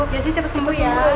jessi cepet sembuh ya